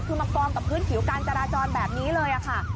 คือมากองกับพื้นผิวการจราจรแบบนี้เลยค่ะ